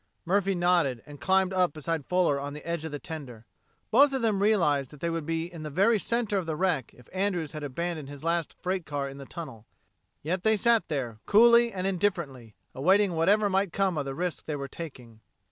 Murphy nodded and climbed up beside Fuller on the edge of the tender. Both of them realized that they would be in the very center of the wreck if Andrews had abandoned his last freight car in the tunnel. Yet they sat there, coolly and indifferently, awaiting whatever might come of the risk they were taking.